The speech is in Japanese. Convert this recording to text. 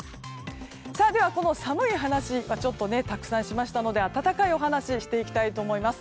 では、寒い話をたくさんしましたので暖かいお話をしていきたいと思います。